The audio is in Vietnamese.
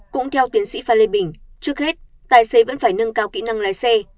cũng theo tiến sĩ phan lê bình trước hết tài xế vẫn phải nâng cao kỹ năng lái xe